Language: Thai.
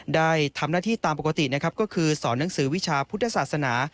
ได้ทำหน้าที่ตามปกติศอนหนังสือวิชาพุทธศาสนา